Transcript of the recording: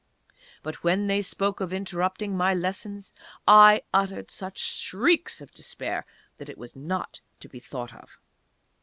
But when they spoke of interrupting my lessons I uttered such shrieks of despair that it was not to be thought of.